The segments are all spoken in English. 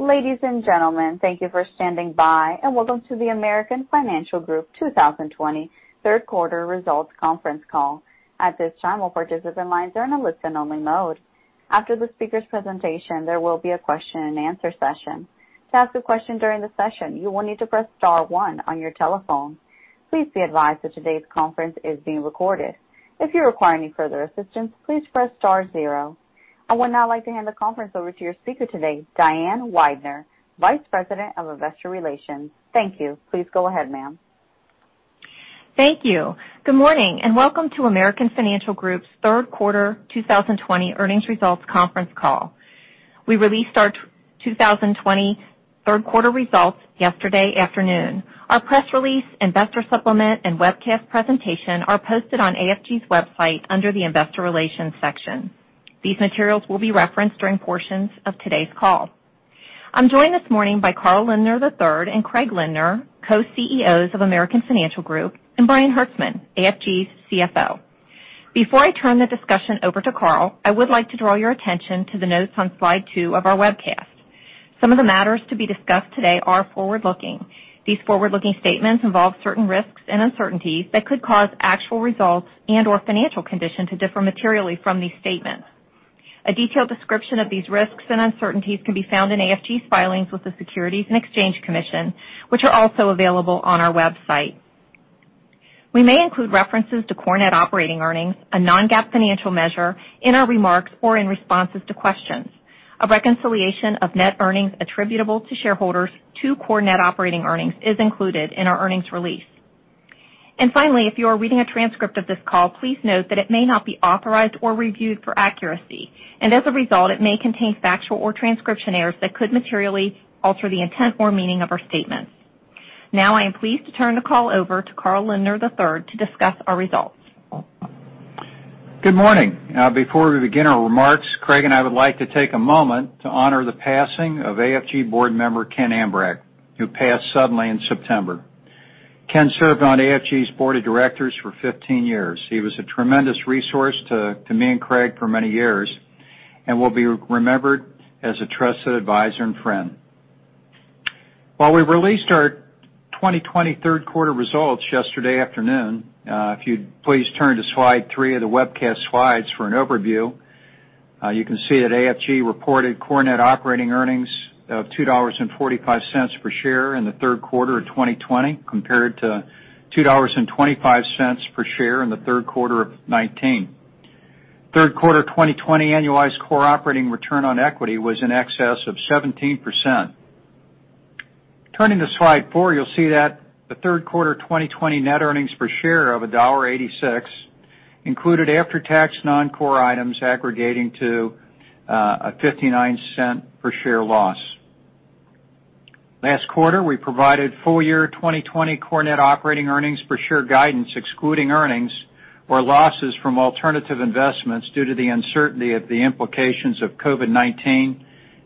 Ladies and gentlemen, thank you for standing by, and welcome to the American Financial Group 2020 third quarter results conference call. At this time, all participant lines are in a listen-only mode. After the speaker's presentation, there will be a question-and-answer session. To ask a question during the session, you will need to press star one on your telephone. Please be advised that today's conference is being recorded. If you require any further assistance, please press star zero. I would now like to hand the conference over to your speaker today, Diane Weidner, Vice President of Investor Relations. Thank you. Please go ahead, ma'am. Thank you. Good morning, and welcome to American Financial Group's third quarter 2020 earnings results conference call. We released our 2020 third quarter results yesterday afternoon. Our press release, investor supplement, and webcast presentation are posted on AFG's website under the investor relations section. These materials will be referenced during portions of today's call. I'm joined this morning by Carl Lindner III and Craig Lindner, Co-CEOs of American Financial Group, and Brian Hertzman, AFG's CFO. Before I turn the discussion over to Carl, I would like to draw your attention to the notes on slide two of our webcast. Some of the matters to be discussed today are forward-looking. These forward-looking statements involve certain risks and uncertainties that could cause actual results and/or financial condition to differ materially from these statements. A detailed description of these risks and uncertainties can be found in AFG's filings with the Securities and Exchange Commission, which are also available on our website. We may include references to core net operating earnings, a non-GAAP financial measure, in our remarks or in responses to questions. A reconciliation of net earnings attributable to shareholders to core net operating earnings is included in our earnings release. Finally, if you are reading a transcript of this call, please note that it may not be authorized or reviewed for accuracy, and as a result, it may contain factual or transcription errors that could materially alter the intent or meaning of our statements. Now I am pleased to turn the call over to Carl Lindner III to discuss our results. Good morning. Before we begin our remarks, Craig and I would like to take a moment to honor the passing of AFG board member Ken Ambrecht, who passed suddenly in September. Ken served on AFG's board of directors for 15 years. He was a tremendous resource to me and Craig for many years and will be remembered as a trusted advisor and friend. While we released our 2020 third quarter results yesterday afternoon, if you'd please turn to slide three of the webcast slides for an overview, you can see that AFG reported core net operating earnings of $2.45 per share in the third quarter of 2020 compared to $2.25 per share in the third quarter of 2019. Third quarter 2020 annualized core operating return on equity was in excess of 17%. Turning to slide four, you'll see that the third quarter 2020 net earnings per share of $1.86 included after-tax non-core items aggregating to a $0.59 per share loss. Last quarter, we provided full year 2020 core net operating earnings per share guidance excluding earnings or losses from alternative investments due to the uncertainty of the implications of COVID-19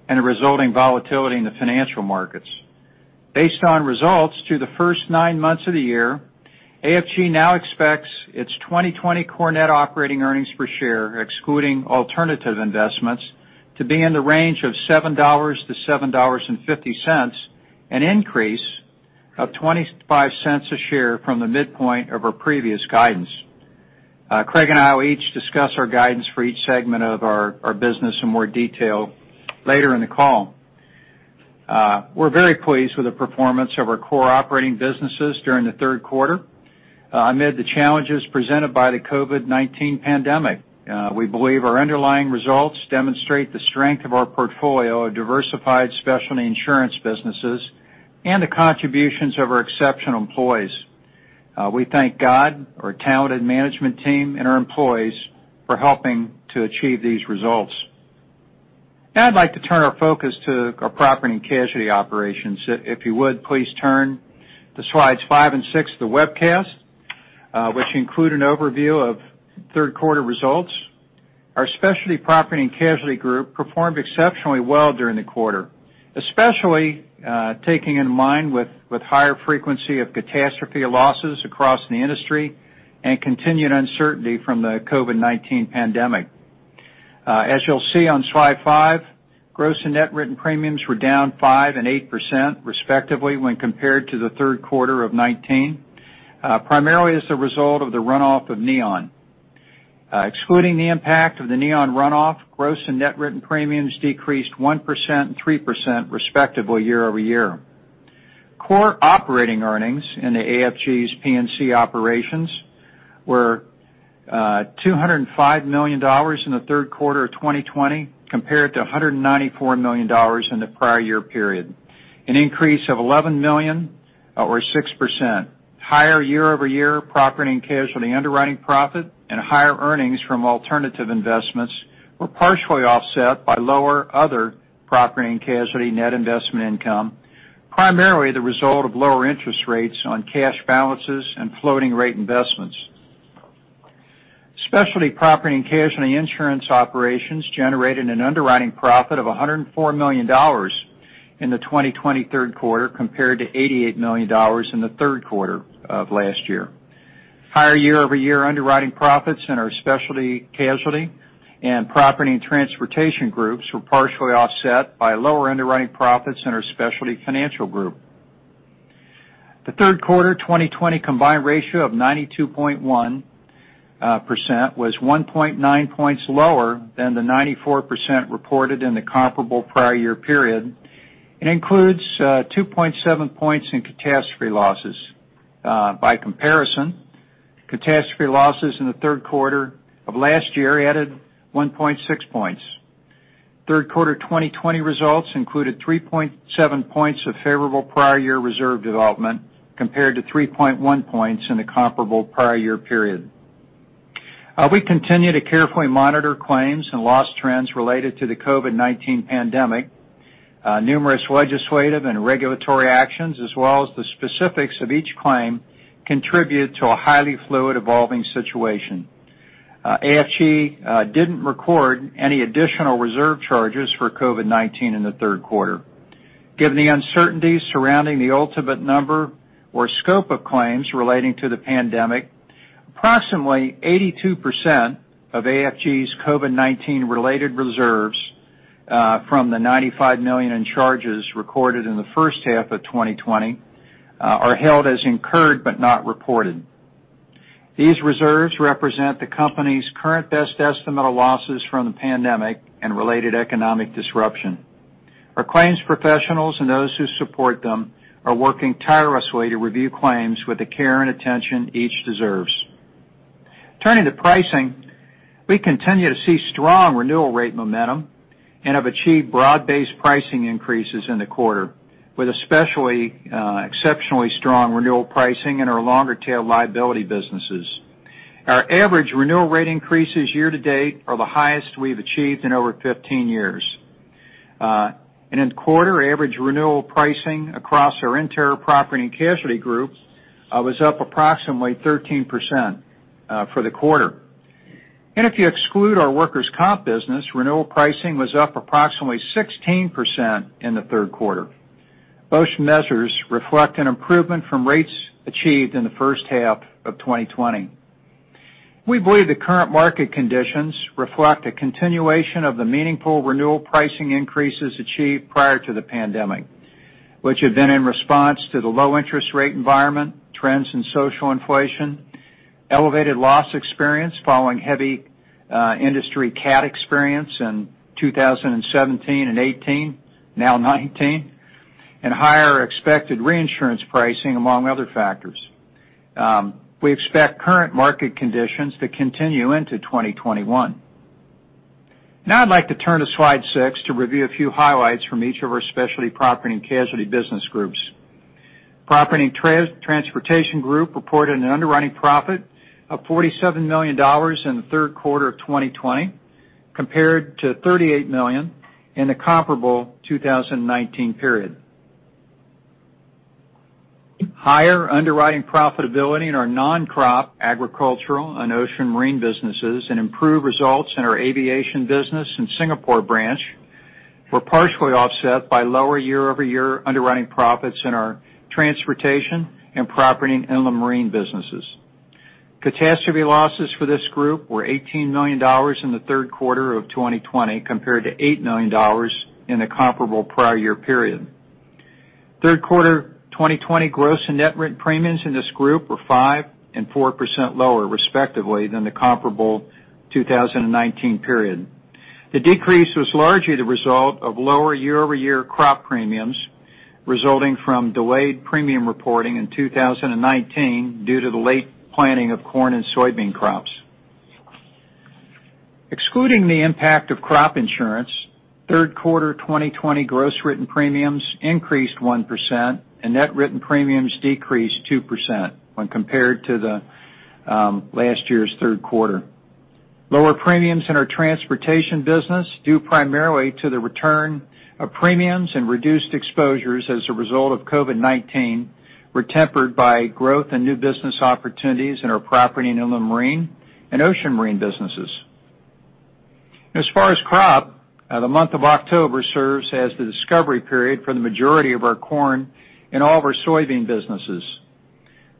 and the resulting volatility in the financial markets. Based on results through the first nine months of the year, AFG now expects its 2020 core net operating earnings per share, excluding alternative investments, to be in the range of $7 to $7.50, an increase of $0.25 a share from the midpoint of our previous guidance. Craig and I will each discuss our guidance for each segment of our business in more detail later in the call. We're very pleased with the performance of our core operating businesses during the third quarter. Amid the challenges presented by the COVID-19 pandemic, we believe our underlying results demonstrate the strength of our portfolio of diversified specialty insurance businesses and the contributions of our exceptional employees. We thank God, our talented management team, and our employees for helping to achieve these results. I'd like to turn our focus to our property and casualty operations. If you would, please turn to slides five and six of the webcast, which include an overview of third quarter results. Our Specialty Property and Casualty Group performed exceptionally well during the quarter, especially taking in mind with higher frequency of catastrophe losses across the industry and continued uncertainty from the COVID-19 pandemic. As you'll see on slide five, gross and net written premiums were down 5% and 8% respectively when compared to the third quarter of 2019, primarily as a result of the runoff of Neon. Excluding the impact of the Neon runoff, gross and net written premiums decreased 1% and 3% respectively year-over-year. Core operating earnings into AFG's P&C operations were $205 million in the third quarter of 2020 compared to $194 million in the prior year period, an increase of $11 million or 6%. Higher year-over-year property and casualty underwriting profit and higher earnings from alternative investments were partially offset by lower other property and casualty net investment income, primarily the result of lower interest rates on cash balances and floating rate investments. Specialty Property and Casualty insurance operations generated an underwriting profit of $104 million in the 2020 third quarter, compared to $88 million in the third quarter of last year. Higher year-over-year underwriting profits in our Specialty Casualty and Property and Transportation groups were partially offset by lower underwriting profits in our Specialty Financial Group. The third quarter 2020 combined ratio of 92.1% was 1.9 points lower than the 94% reported in the comparable prior year period and includes 2.7 points in catastrophe losses. By comparison, catastrophe losses in the third quarter of last year added 1.6 points. Third quarter 2020 results included 3.7 points of favorable prior year reserve development, compared to 3.1 points in the comparable prior year period. We continue to carefully monitor claims and loss trends related to the COVID-19 pandemic. Numerous legislative and regulatory actions, as well as the specifics of each claim, contribute to a highly fluid evolving situation. AFG didn't record any additional reserve charges for COVID-19 in the third quarter. Given the uncertainty surrounding the ultimate number or scope of claims relating to the pandemic, approximately 82% of AFG's COVID-19 related reserves from the $95 million in charges recorded in the first half of 2020 are held as incurred but not reported. These reserves represent the company's current best estimate of losses from the pandemic and related economic disruption. Our claims professionals and those who support them are working tirelessly to review claims with the care and attention each deserves. Turning to pricing, we continue to see strong renewal rate momentum and have achieved broad-based pricing increases in the quarter, with especially exceptionally strong renewal pricing in our longer-tail liability businesses. In the quarter, average renewal pricing across our entire property and casualty group was up approximately 13% for the quarter. If you exclude our workers' comp business, renewal pricing was up approximately 16% in the third quarter. Both measures reflect an improvement from rates achieved in the first half of 2020. We believe the current market conditions reflect a continuation of the meaningful renewal pricing increases achieved prior to the pandemic, which have been in response to the low interest rate environment, trends in social inflation, elevated loss experience following heavy industry cat experience in 2017 and 2018, now 2019, and higher expected reinsurance pricing, among other factors. We expect current market conditions to continue into 2021. I'd like to turn to slide six to review a few highlights from each of our specialty property and casualty business groups. Property and Transportation Group reported an underwriting profit of $47 million in the third quarter of 2020, compared to $38 million in the comparable 2019 period. Higher underwriting profitability in our non-crop agricultural and ocean marine businesses, and improved results in our aviation business and Singapore branch were partially offset by lower year-over-year underwriting profits in our transportation and property and inland marine businesses. Catastrophe losses for this group were $18 million in the third quarter of 2020 compared to $8 million in the comparable prior year period. Third quarter 2020 gross and net written premiums in this group were 5% and 4% lower, respectively, than the comparable 2019 period. The decrease was largely the result of lower year-over-year crop premiums resulting from delayed premium reporting in 2019 due to the late planting of corn and soybean crops. Excluding the impact of crop insurance, third quarter 2020 gross written premiums increased 1% and net written premiums decreased 2% when compared to last year's third quarter. Lower premiums in our transportation business, due primarily to the return of premiums and reduced exposures as a result of COVID-19, were tempered by growth in new business opportunities in our property and inland marine and ocean marine businesses. As far as crop, the month of October serves as the discovery period for the majority of our corn and all of our soybean businesses.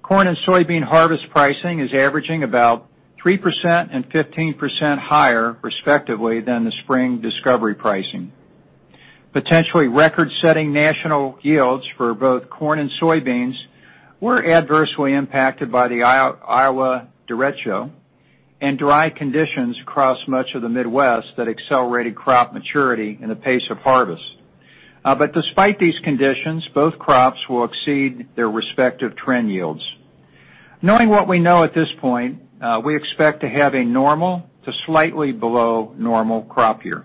Corn and soybean harvest pricing is averaging about 3% and 15% higher, respectively, than the spring discovery pricing. Potentially record-setting national yields for both corn and soybeans were adversely impacted by the Iowa derecho and dry conditions across much of the Midwest that accelerated crop maturity and the pace of harvest. Despite these conditions, both crops will exceed their respective trend yields. Knowing what we know at this point, we expect to have a normal to slightly below normal crop year.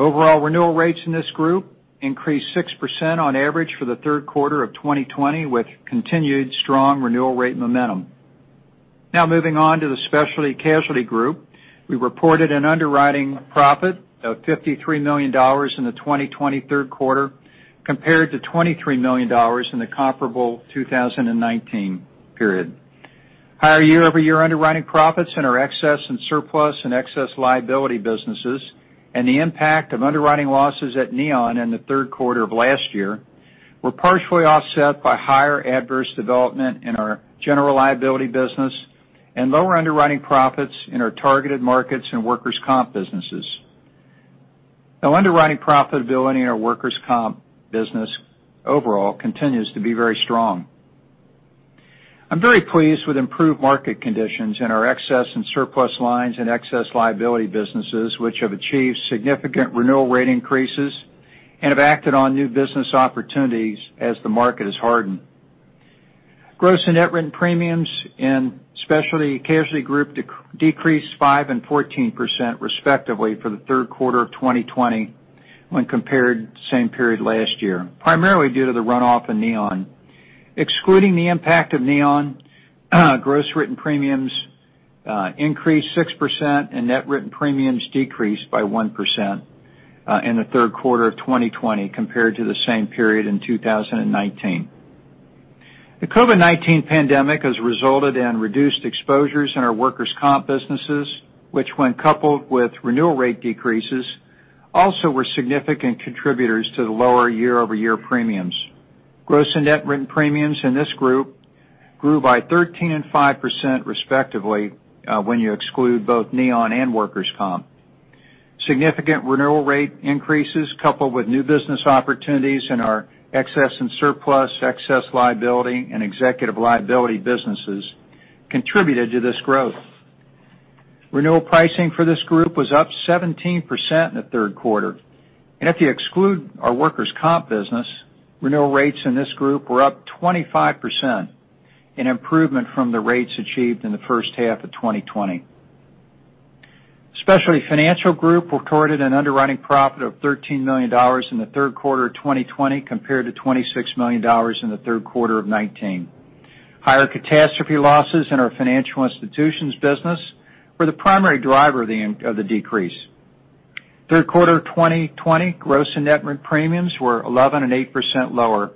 Overall renewal rates in this group increased 6% on average for the third quarter of 2020, with continued strong renewal rate momentum. Moving on to the Specialty Casualty Group. We reported an underwriting profit of $53 million in the 2020 third quarter, compared to $23 million in the comparable 2019 period. Higher year-over-year underwriting profits in our excess and surplus and excess liability businesses, and the impact of underwriting losses at Neon Underwriting Ltd. in the third quarter of last year were partially offset by higher adverse development in our general liability business and lower underwriting profits in our targeted markets and workers' comp businesses. Underwriting profitability in our workers' comp business overall continues to be very strong. I'm very pleased with improved market conditions in our excess and surplus lines and excess liability businesses, which have achieved significant renewal rate increases and have acted on new business opportunities as the market has hardened. Gross and net written premiums in Specialty Casualty Group decreased 5% and 14% respectively for the third quarter of 2020 when compared to the same period last year, primarily due to the runoff in Neon Underwriting Ltd.. Excluding the impact of Neon Underwriting Ltd., gross written premiums increased 6% and net written premiums decreased by 1% in the third quarter of 2020 compared to the same period in 2019. The COVID-19 pandemic has resulted in reduced exposures in our workers' comp businesses, which when coupled with renewal rate decreases, also were significant contributors to the lower year-over-year premiums. Gross and net written premiums in this group grew by 13% and 5% respectively when you exclude both Neon Underwriting Ltd. and workers' comp. Significant renewal rate increases coupled with new business opportunities in our excess and surplus, excess liability, and executive liability businesses contributed to this growth. Renewal pricing for this group was up 17% in the third quarter. If you exclude our workers' comp business, renewal rates in this group were up 25%, an improvement from the rates achieved in the first half of 2020. Specialty Financial Group reported an underwriting profit of $13 million in the third quarter of 2020 compared to $26 million in the third quarter of 2019. Higher catastrophe losses in our financial institutions business were the primary driver of the decrease. Third quarter 2020 gross and net written premiums were 11% and 8% lower,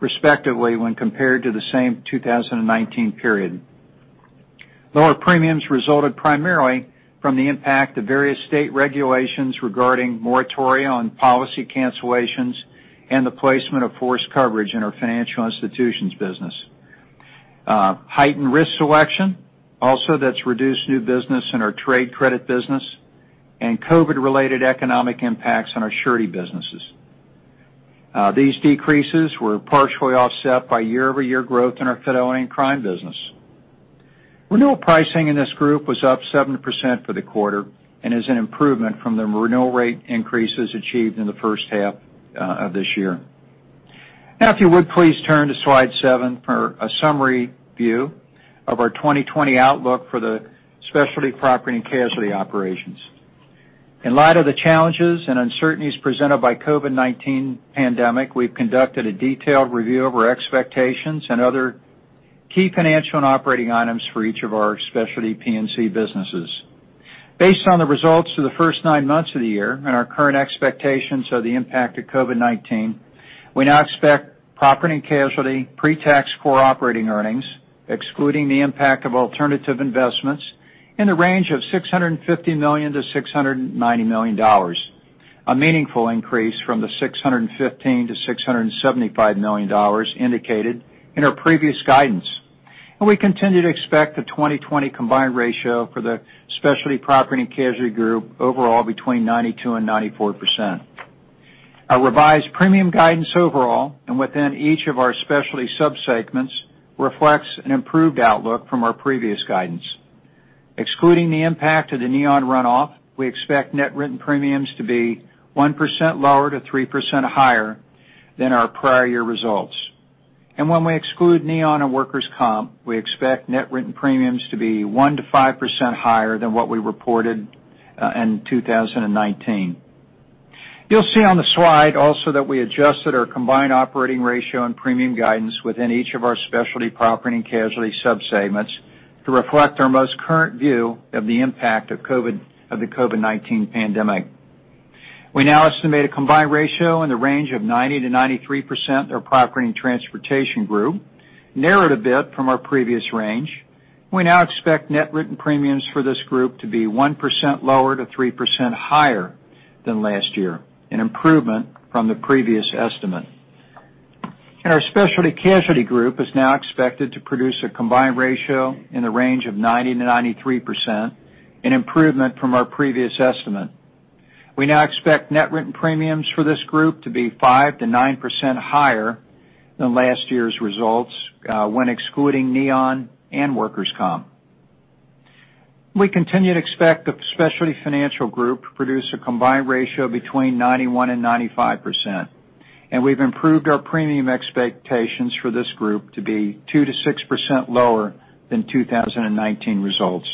respectively when compared to the same 2019 period. Lower premiums resulted primarily from the impact of various state regulations regarding moratoria on policy cancellations and the placement of forced coverage in our financial institutions business. Heightened risk selection also that's reduced new business in our trade credit business and COVID-related economic impacts on our surety businesses. These decreases were partially offset by year-over-year growth in our fidelity and crime business. Renewal pricing in this group was up 7% for the quarter and is an improvement from the renewal rate increases achieved in the first half of this year. If you would please turn to slide seven for a summary view of our 2020 outlook for the Specialty Property and Casualty operations. In light of the challenges and uncertainties presented by COVID-19 pandemic, we've conducted a detailed review of our expectations and other key financial and operating items for each of our specialty P&C businesses. Based on the results of the first nine months of the year and our current expectations of the impact of COVID-19, we now expect Property and Casualty pre-tax core operating earnings, excluding the impact of alternative investments, in the range of $650 million-$690 million, a meaningful increase from the $615 million-$675 million indicated in our previous guidance. We continue to expect a 2020 combined ratio for the Specialty Property and Casualty Group overall between 92% and 94%. Our revised premium guidance overall, and within each of our specialty subsegments, reflects an improved outlook from our previous guidance. Excluding the impact of the Neon runoff, we expect net written premiums to be 1% lower to 3% higher than our prior year results. When we exclude Neon and workers' comp, we expect net written premiums to be 1% to 5% higher than what we reported in 2019. You'll see on the slide also that we adjusted our combined operating ratio and premium guidance within each of our Specialty Property and Casualty subsegments to reflect our most current view of the impact of the COVID-19 pandemic. We now estimate a combined ratio in the range of 90%-93% for our Property and Transportation Group, narrowed a bit from our previous range. We now expect net written premiums for this group to be 1% lower to 3% higher than last year, an improvement from the previous estimate. Our Specialty Casualty Group is now expected to produce a combined ratio in the range of 90%-93%, an improvement from our previous estimate. We now expect net written premiums for this group to be 5% to 9% higher than last year's results when excluding Neon and workers' comp. We continue to expect the Specialty Financial Group to produce a combined ratio between 91% and 95%, and we've improved our premium expectations for this group to be 2% to 6% lower than 2019 results.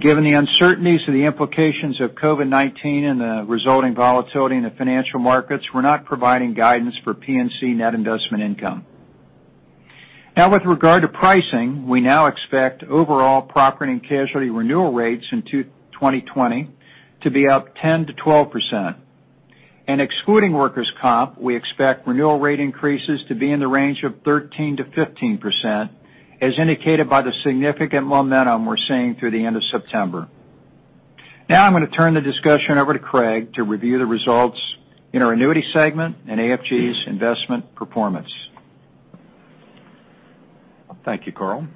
Given the uncertainties of the implications of COVID-19 and the resulting volatility in the financial markets, we're not providing guidance for P&C net investment income. With regard to pricing, we now expect overall Property and Casualty renewal rates in 2020 to be up 10%-12%. Excluding workers' comp, we expect renewal rate increases to be in the range of 13%-15%, as indicated by the significant momentum we're seeing through the end of September. I'm going to turn the discussion over to Craig to review the results in our annuity segment and AFG's investment performance. Thank you, Carl.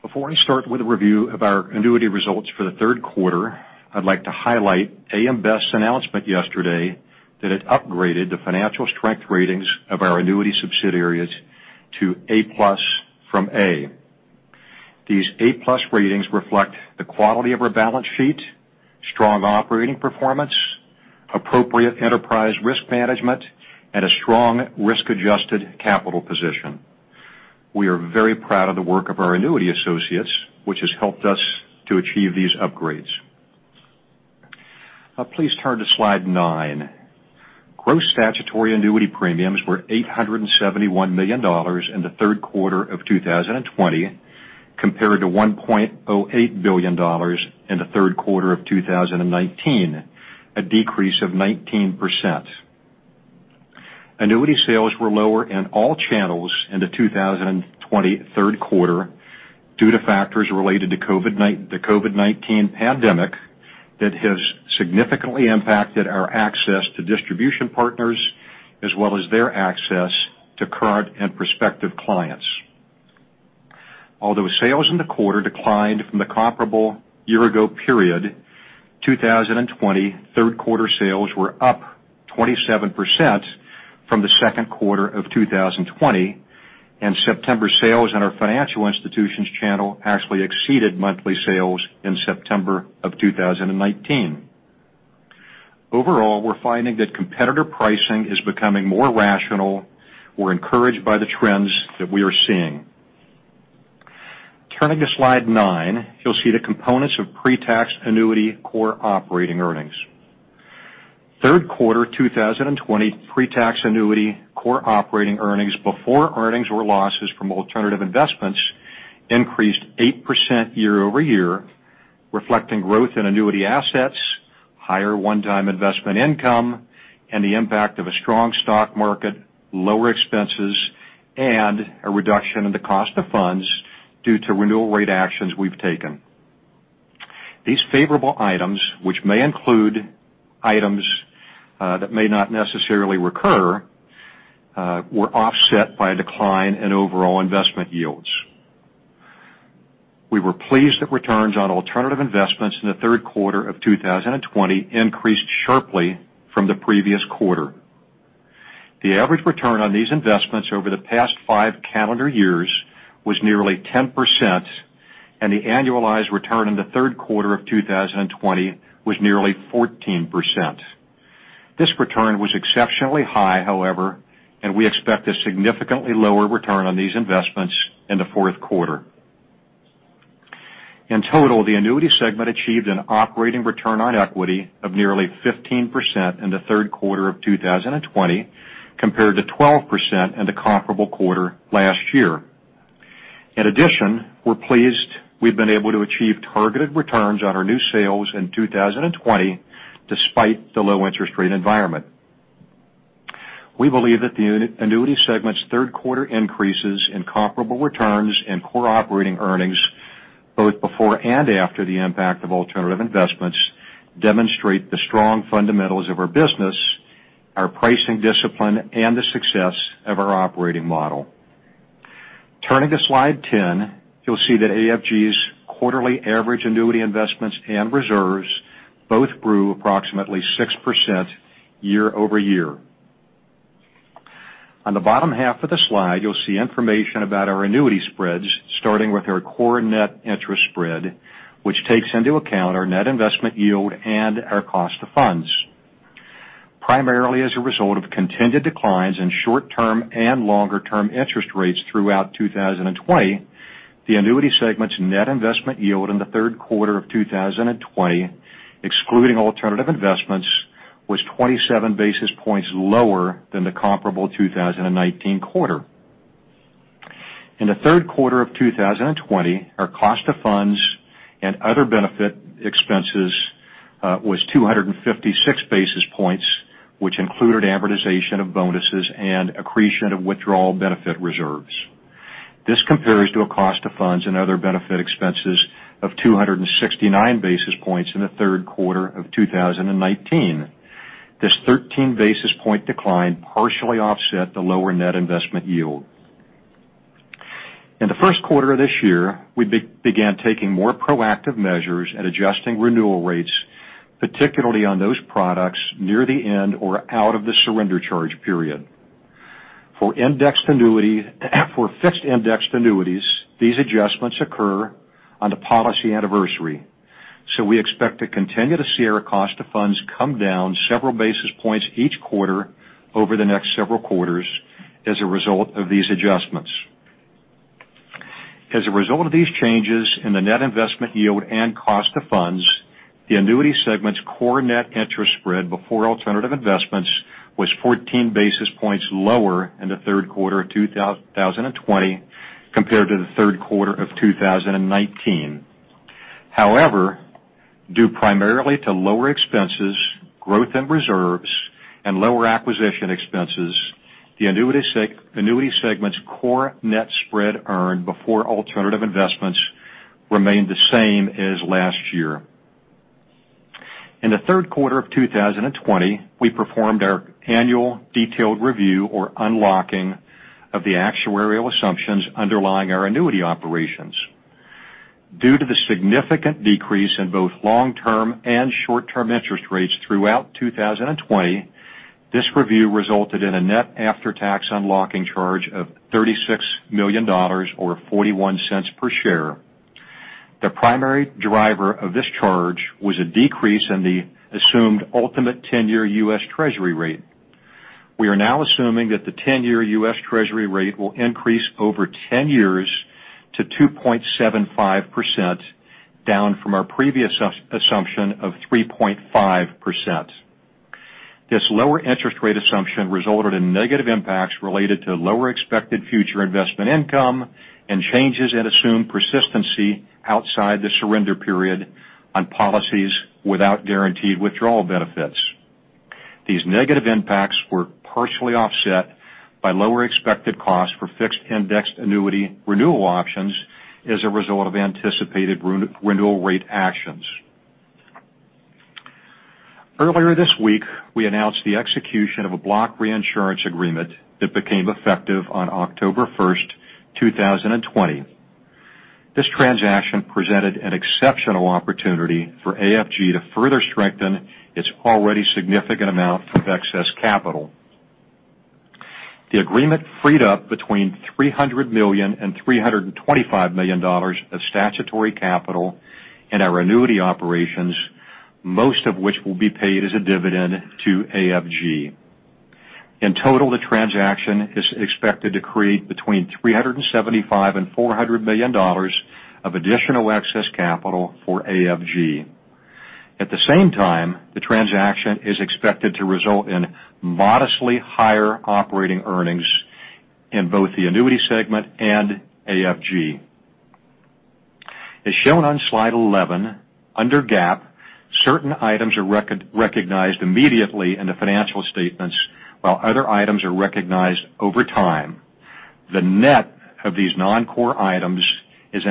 Before I start with a review of our annuity results for the third quarter, I'd like to highlight AM Best's announcement yesterday that it upgraded the financial strength ratings of our annuity subsidiaries to A+ from A. These A+ ratings reflect the quality of our balance sheet, strong operating performance, appropriate enterprise risk management, and a strong risk-adjusted capital position. We are very proud of the work of our annuity associates, which has helped us to achieve these upgrades. Please turn to Slide nine. Gross statutory annuity premiums were $871 million in the third quarter of 2020, compared to $1.08 billion in the third quarter of 2019, a decrease of 19%. Annuity sales were lower in all channels in the 2020 third quarter due to factors related to the COVID-19 pandemic that has significantly impacted our access to distribution partners, as well as their access to current and prospective clients. Although sales in the quarter declined from the comparable year-ago period, 2020 third quarter sales were up 27% from the second quarter of 2020, and September sales in our financial institutions channel actually exceeded monthly sales in September of 2019. Overall, we're finding that competitor pricing is becoming more rational. We're encouraged by the trends that we are seeing. Turning to Slide nine, you'll see the components of pre-tax annuity core operating earnings. Third quarter 2020 pre-tax annuity core operating earnings before earnings or losses from alternative investments increased 8% year-over-year, reflecting growth in annuity assets, higher one-time investment income, and the impact of a strong stock market, lower expenses, and a reduction in the cost of funds due to renewal rate actions we've taken. These favorable items, which may include items that may not necessarily recur, were offset by a decline in overall investment yields. We were pleased that returns on alternative investments in the third quarter of 2020 increased sharply from the previous quarter. The average return on these investments over the past five calendar years was nearly 10%, and the annualized return in the third quarter of 2020 was nearly 14%. This return was exceptionally high, however, and we expect a significantly lower return on these investments in the fourth quarter. In total, the annuity segment achieved an operating return on equity of nearly 15% in the third quarter of 2020, compared to 12% in the comparable quarter last year. In addition, we're pleased we've been able to achieve targeted returns on our new sales in 2020, despite the low interest rate environment. We believe that the annuity segment's third quarter increases in comparable returns and core operating earnings, both before and after the impact of alternative investments, demonstrate the strong fundamentals of our business, our pricing discipline, and the success of our operating model. Turning to Slide 10, you'll see that AFG's quarterly average annuity investments and reserves both grew approximately 6% year-over-year. On the bottom half of the slide, you'll see information about our annuity spreads, starting with our core net interest spread, which takes into account our net investment yield and our cost of funds. Primarily as a result of continued declines in short-term and longer-term interest rates throughout 2020, the annuity segment's net investment yield in the third quarter of 2020, excluding alternative investments, was 27 basis points lower than the comparable 2019 quarter. In the third quarter of 2020, our cost of funds and other benefit expenses was 256 basis points, which included amortization of bonuses and accretion of withdrawal benefit reserves. This compares to a cost of funds and other benefit expenses of 269 basis points in the third quarter of 2019. This 13 basis point decline partially offset the lower net investment yield. In the first quarter of this year, we began taking more proactive measures at adjusting renewal rates, particularly on those products near the end or out of the surrender charge period. For fixed indexed annuities, these adjustments occur on the policy anniversary. We expect to continue to see our cost of funds come down several basis points each quarter over the next several quarters as a result of these adjustments. As a result of these changes in the net investment yield and cost of funds, the annuity segment's core net interest spread before alternative investments was 14 basis points lower in the third quarter of 2020 compared to the third quarter of 2019. Due primarily to lower expenses, growth in reserves, and lower acquisition expenses, the annuity segment's core net spread earned before alternative investments remained the same as last year. In the third quarter of 2020, we performed our annual detailed review or unlocking of the actuarial assumptions underlying our annuity operations. Due to the significant decrease in both long-term and short-term interest rates throughout 2020, this review resulted in a net after-tax unlocking charge of $36 million, or $0.41 per share. The primary driver of this charge was a decrease in the assumed ultimate 10-year US Treasury rate. We are now assuming that the 10-year US Treasury rate will increase over 10 years to 2.75%, down from our previous assumption of 3.5%. This lower interest rate assumption resulted in negative impacts related to lower expected future investment income and changes in assumed persistency outside the surrender period on policies without guaranteed withdrawal benefits. These negative impacts were partially offset by lower expected costs for fixed indexed annuity renewal options as a result of anticipated renewal rate actions. Earlier this week, we announced the execution of a block reinsurance agreement that became effective on October 1st, 2020. This transaction presented an exceptional opportunity for AFG to further strengthen its already significant amount of excess capital. The agreement freed up between $300 million and $325 million of statutory capital in our annuity operations, most of which will be paid as a dividend to AFG. In total, the transaction is expected to create between $375 million and $400 million of additional excess capital for AFG. At the same time, the transaction is expected to result in modestly higher operating earnings in both the annuity segment and AFG. As shown on slide 11, under GAAP, certain items are recognized immediately in the financial statements, while other items are recognized over time. The net of these non-core items is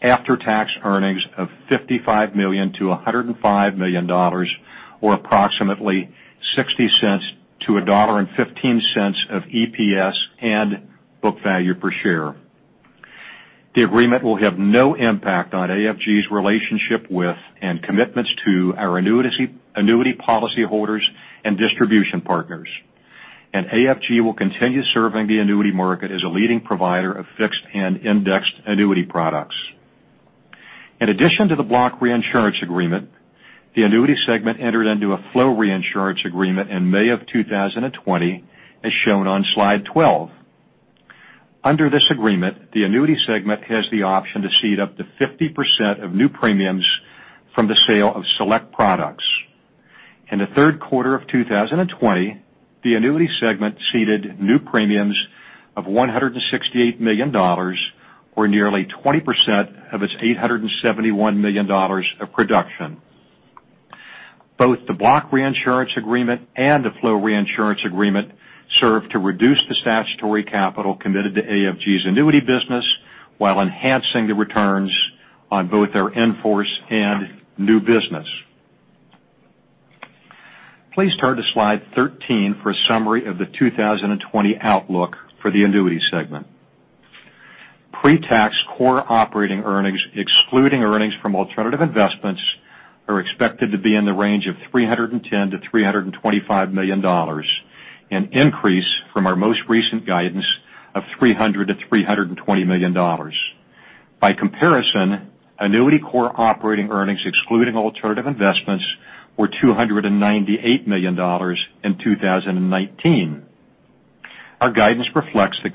after-tax earnings of $55 million to $105 million, or approximately $0.60 to $1.15 of EPS and book value per share. The agreement will have no impact on AFG's relationship with and commitments to our annuity policyholders and distribution partners. AFG will continue serving the annuity market as a leading provider of fixed and indexed annuity products. In addition to the block reinsurance agreement, the annuity segment entered into a flow reinsurance agreement in May of 2020, as shown on slide 12. Under this agreement, the annuity segment has the option to cede up to 50% of new premiums from the sale of select products. In the third quarter of 2020, the annuity segment ceded new premiums of $168 million, or nearly 20% of its $871 million of production. Both the block reinsurance agreement and the flow reinsurance agreement serve to reduce the statutory capital committed to AFG's annuity business while enhancing the returns on both our in-force and new business. Please turn to slide 13 for a summary of the 2020 outlook for the annuity segment. Pre-tax core operating earnings, excluding earnings from alternative investments, are expected to be in the range of $310 million-$325 million, an increase from our most recent guidance of $300 million-$320 million. By comparison, annuity core operating earnings excluding alternative investments were $298 million in 2019. Our guidance reflects the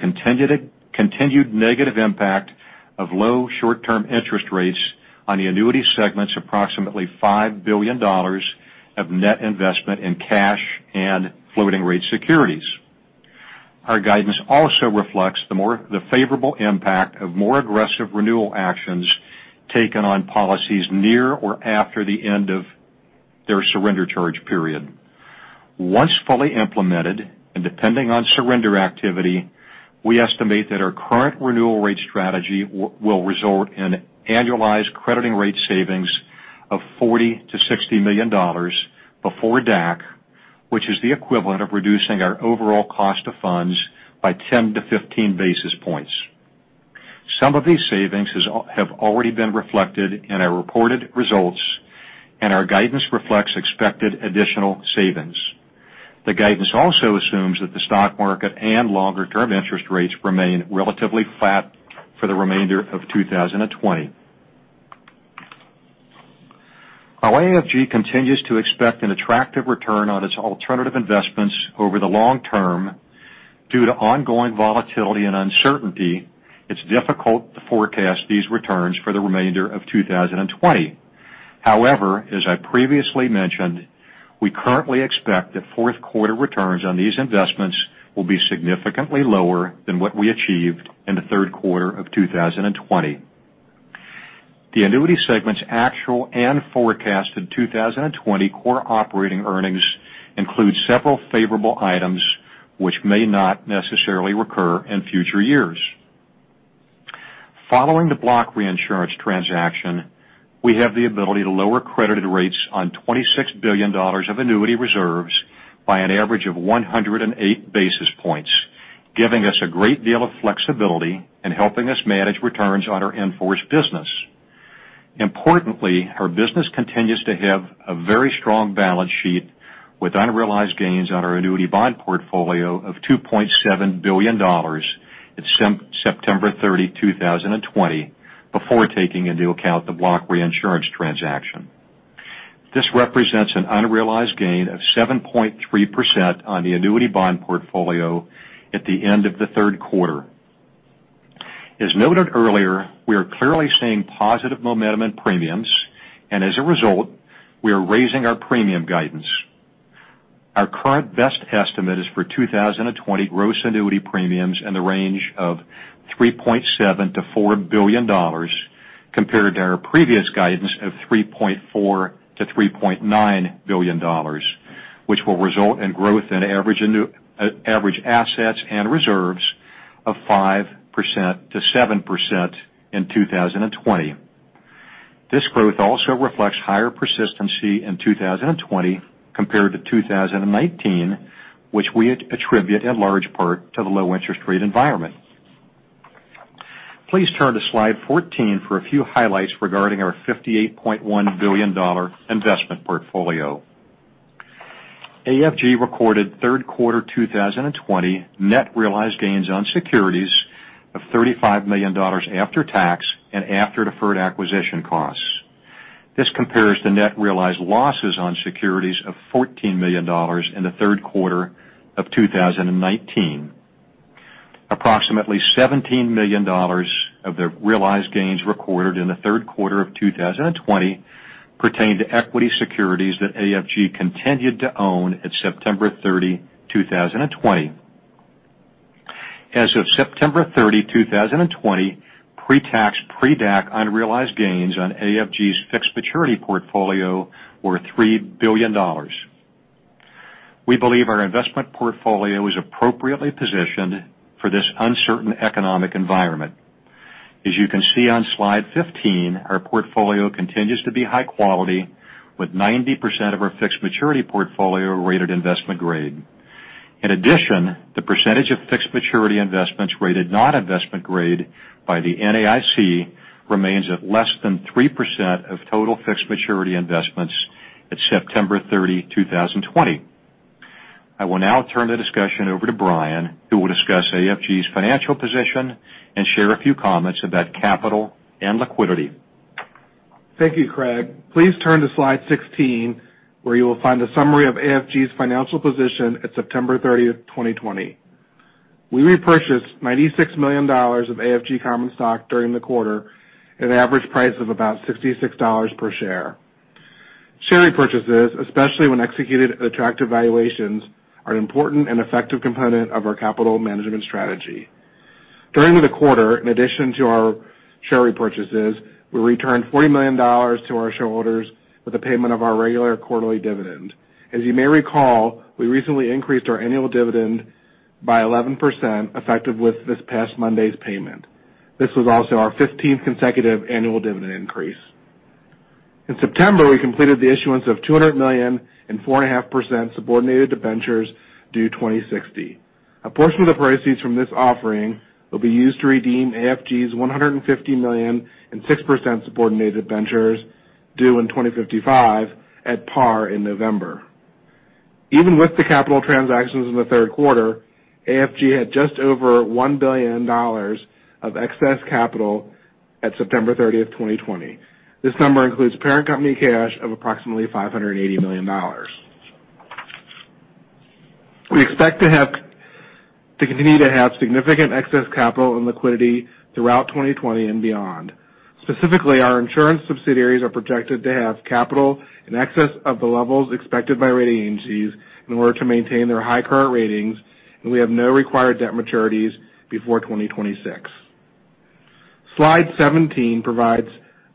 continued negative impact of low short-term interest rates on the annuity segment's approximately $5 billion of net investment in cash and floating rate securities. Our guidance also reflects the favorable impact of more aggressive renewal actions taken on policies near or after the end of their surrender charge period. Once fully implemented, depending on surrender activity, we estimate that our current renewal rate strategy will result in annualized crediting rate savings of $40 million-$60 million before DAC, which is the equivalent of reducing our overall cost of funds by 10-15 basis points. Some of these savings have already been reflected in our reported results. Our guidance reflects expected additional savings. The guidance also assumes that the stock market and longer-term interest rates remain relatively flat for the remainder of 2020. While AFG continues to expect an attractive return on its alternative investments over the long term, due to ongoing volatility and uncertainty, it's difficult to forecast these returns for the remainder of 2020. As I previously mentioned, we currently expect that fourth quarter returns on these investments will be significantly lower than what we achieved in the third quarter of 2020. The annuity segment's actual and forecasted 2020 core operating earnings include several favorable items which may not necessarily recur in future years. Following the block reinsurance transaction, we have the ability to lower credited rates on $26 billion of annuity reserves by an average of 108 basis points, giving us a great deal of flexibility in helping us manage returns on our in-force business. Importantly, our business continues to have a very strong balance sheet with unrealized gains on our annuity bond portfolio of $2.7 billion at September 30, 2020, before taking into account the block reinsurance transaction. This represents an unrealized gain of 7.3% on the annuity bond portfolio at the end of the third quarter. As noted earlier, we are clearly seeing positive momentum in premiums. As a result, we are raising our premium guidance. Our current best estimate is for 2020 gross annuity premiums in the range of $3.7 billion-$4 billion, compared to our previous guidance of $3.4 billion-$3.9 billion, which will result in growth in average assets and reserves of 5%-7% in 2020. This growth also reflects higher persistency in 2020 compared to 2019, which we attribute in large part to the low interest rate environment. Please turn to slide 14 for a few highlights regarding our $58.1 billion investment portfolio. AFG recorded third quarter 2020 net realized gains on securities of $35 million after tax and after deferred acquisition costs. This compares to net realized losses on securities of $14 million in the third quarter of 2019. Approximately $17 million of the realized gains recorded in the third quarter of 2020 pertain to equity securities that AFG continued to own at September 30, 2020. As of September 30, 2020, pretax, pre-DAC unrealized gains on AFG's fixed maturity portfolio were $3 billion. We believe our investment portfolio is appropriately positioned for this uncertain economic environment. As you can see on slide 15, our portfolio continues to be high quality, with 90% of our fixed maturity portfolio rated investment grade. In addition, the percentage of fixed maturity investments rated not investment grade by the NAIC remains at less than 3% of total fixed maturity investments at September 30, 2020. I will now turn the discussion over to Brian, who will discuss AFG's financial position and share a few comments about capital and liquidity. Thank you, Craig. Please turn to slide 16, where you will find a summary of AFG's financial position at September 30, 2020. We repurchased $96 million of AFG common stock during the quarter at an average price of about $66 per share. Share repurchases, especially when executed at attractive valuations, are an important and effective component of our capital management strategy. During the quarter, in addition to our share repurchases, we returned $40 million to our shareholders with the payment of our regular quarterly dividend. As you may recall, we recently increased our annual dividend by 11%, effective with this past Monday's payment. This was also our 15th consecutive annual dividend increase. In September, we completed the issuance of $200 million in 4.5% subordinated debentures due 2060. A portion of the proceeds from this offering will be used to redeem AFG's $150 million in 6% subordinated debentures due in 2055 at par in November. Even with the capital transactions in the third quarter, AFG had just over $1 billion of excess capital at September 30, 2020. This number includes parent company cash of approximately $580 million. We expect to continue to have significant excess capital and liquidity throughout 2020 and beyond. Specifically, our insurance subsidiaries are projected to have capital in excess of the levels expected by rating agencies in order to maintain their high current ratings, and we have no required debt maturities before 2026. Slide 17 provides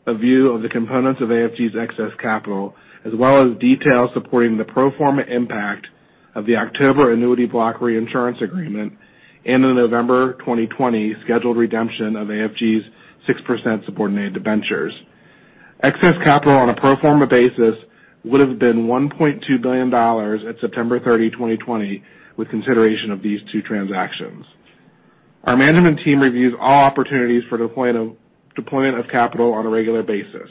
a view of the components of AFG's excess capital, as well as details supporting the pro forma impact of the October annuity block reinsurance agreement and the November 2020 scheduled redemption of AFG's 6% subordinated debentures. Excess capital on a pro forma basis would've been $1.2 billion at September 30, 2020 with consideration of these two transactions. Our management team reviews all opportunities for deployment of capital on a regular basis.